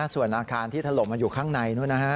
ส่วนอาคารที่ถล่มมันอยู่ข้างใน